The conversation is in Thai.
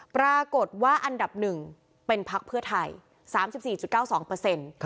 ปรากฏว่าอันดับ๑เป็นพักเพื่อไทย๓๔๙๒เปอร์เซ็นต์